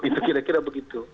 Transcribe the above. itu kira kira begitu